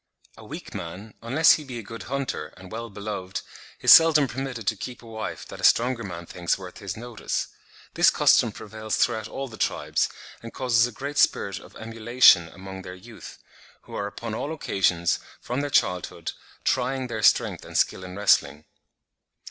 A weak man, unless he be a good hunter, and well beloved, is seldom permitted to keep a wife that a stronger man thinks worth his notice. This custom prevails throughout all the tribes, and causes a great spirit of emulation among their youth, who are upon all occasions, from their childhood, trying their strength and skill in wrestling."